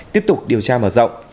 tiếp tục điều tra mở rộng